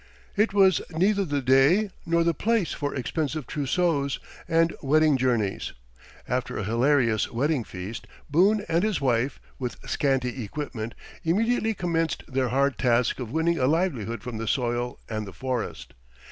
It was neither the day nor the place for expensive trousseaus and wedding journeys. After a hilarious wedding feast, Boone and his wife, with scanty equipment, immediately commenced their hard task of winning a livelihood from the soil and the forest.